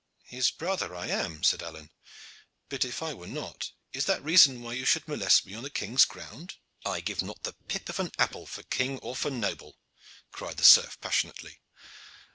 "His brother I am," said Alleyne. "But if I were not, is that reason why you should molest me on the king's ground?" "I give not the pip of an apple for king or for noble," cried the serf passionately.